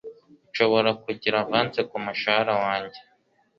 Nshobora kugira avance kumushahara wanjye?